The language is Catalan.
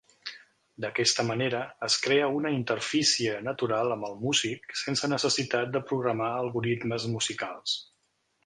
D'aquesta manera es crea una interfície natural amb el músic sense necessitat de programar algoritmes musicals.